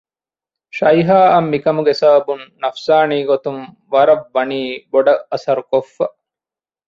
ޝައިހާއަށް މިކަމުގެ ސަބަބުން ނަފްސާނީ ގޮތުން ވަރަށް ވަނީ ބޮޑަށް އަސަރު ކޮއްފަ